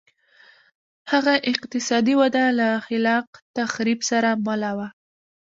هغه اقتصادي وده له خلاق تخریب سره مله وه.